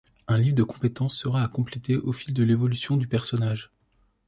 Un livre de compétences sera à compléter au fil de l'évolution du personnage.